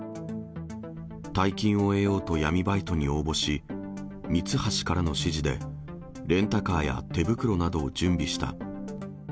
大金を得ようと闇バイトに応募し、ミツハシからの指示で、レンタカーや手袋などを準備した。